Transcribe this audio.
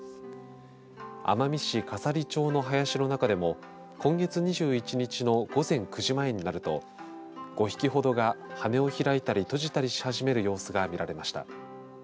奄美市笠利町の林の中でも今月２１日の午前９時前になると５匹ほどが羽を開いたり閉じたりし始める様子が見られました。